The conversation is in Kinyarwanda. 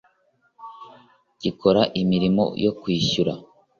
gikora imirimo yo kwishyura